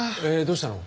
どうしたの？